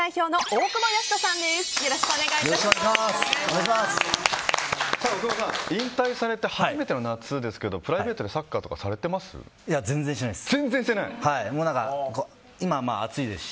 大久保さん、引退されて初めての夏ですけどプライベートでサッカーとかされてます？